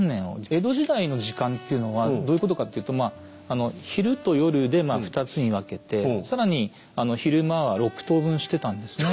江戸時代の時間っていうのはどういうことかっていうと昼と夜で２つに分けて更に昼間は６等分してたんですね。